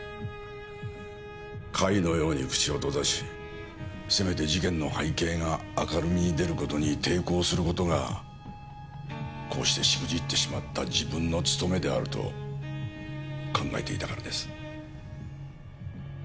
貝の様に口を閉ざしせめて事件の背景が明るみに出る事に抵抗する事がこうしてしくじってしまった自分の務めであると考えていたからです。